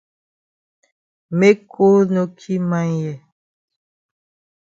Make cold no ki man for here.